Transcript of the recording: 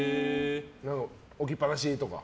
置きっぱなしとか？